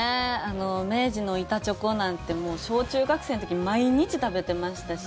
明治の板チョコなんて小中学生の時毎日食べてましたし。